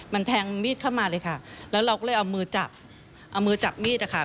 มันแทงมีดเข้ามาเลยค่ะแล้วเราก็เลยเอามือจับมีดค่ะ